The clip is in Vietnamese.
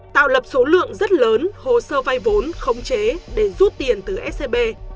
tạo lập số lượng rất lớn hồ sơ vay vốn khống chế để rút tiền từ scb